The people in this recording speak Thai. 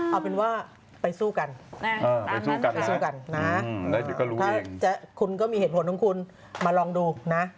เอาเป็นว่าไปสู้กันไปสู้กันไปสู้กันนะถ้าคุณก็มีเหตุผลของคุณมาลองดูนะ